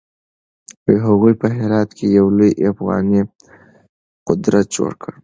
هغوی په هرات کې يو لوی افغاني قدرت جوړ کړ.